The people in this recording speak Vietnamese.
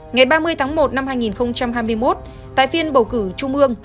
ngày ba mươi tháng một năm hai nghìn hai mươi một tại phiên bầu cử trung ương